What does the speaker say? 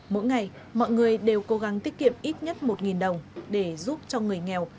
mỗi ngày mọi người đều cố gắng tiết kiệm ít nhất một đồng để giúp cho người nghèo